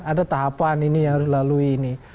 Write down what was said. ada tahapan ini yang harus dilalui ini